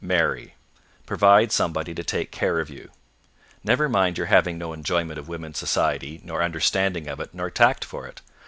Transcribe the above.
Marry. Provide somebody to take care of you. Never mind your having no enjoyment of women's society, nor understanding of it, nor tact for it.